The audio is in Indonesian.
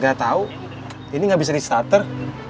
gak tau ini gak bisa di stutter